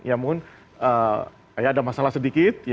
ada masalah sedikit